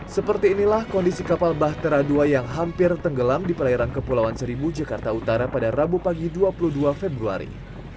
seperti inilah kondisi kapal bahtera ii yang hampir tenggelam di perairan kepulauan seribu jakarta utara pada rabu pagi dua puluh dua februari